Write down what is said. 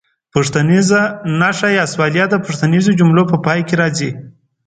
پوښتنیزه نښه یا سوالیه د پوښتنیزو جملو په پای کې راځي.